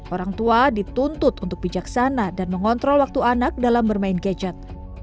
orang tua dituntut untuk bijaksana dan mengontrol waktu anak dalam bermain gadget